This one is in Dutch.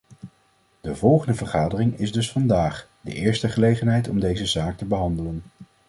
Die volgende vergadering is dus vandaag, de eerste gelegenheid om deze zaak te behandelen.